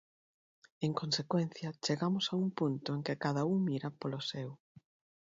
En consecuencia, chegamos a un punto en que cada un mira polo seu.